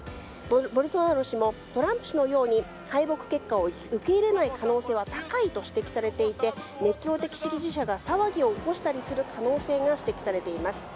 ボルソナロ氏もトランプ氏のように敗北結果を受け入れない可能性は高いと指摘されていて熱狂的支持者が騒ぎを起こしたりする可能性が指摘されています。